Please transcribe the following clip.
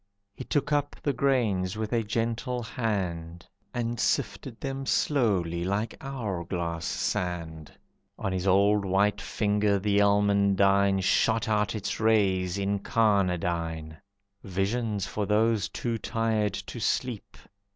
He took up the grains with a gentle hand And sifted them slowly like hour glass sand. On his old white finger the almandine Shot out its rays, incarnadine. "Visions for those too tired to sleep.